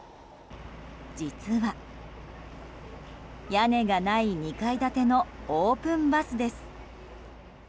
実は、屋根がない２階建てのオープンバスです。